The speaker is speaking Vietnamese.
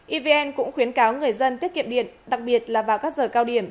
evn cũng khuyến cáo người dân tiết kiệm điện đặc biệt là vào các giờ cao điểm